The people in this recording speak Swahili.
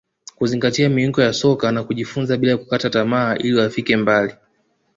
kuzingatia miiko ya soka na kujifunza bila kukata tamaa ili wafike mbali